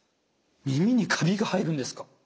耳にカビが生えるんですか？